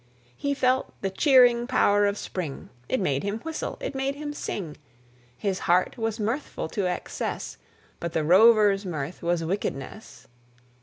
He felt the cheering power of spring; It made him whistle, it made him sing: His heart was mirthful to excess, But the Rover's mirth was wickedness.